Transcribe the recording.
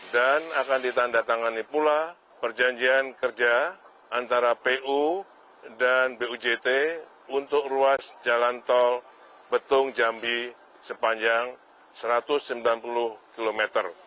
dan akan ditandatangani pula perjanjian kerja antara pu dan bujt untuk ruas jalan tol betung jambi sepanjang satu ratus sembilan puluh kilometer